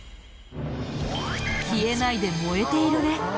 消えないで燃えているね。